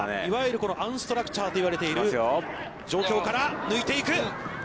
いわゆるアンストラクチャーと言われている状況から抜いていく。